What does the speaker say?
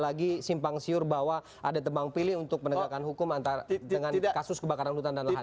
lagi simpang siur bahwa ada tebang pilih untuk penegakan hukum antara dengan kasus kebakaran hutan dan lahan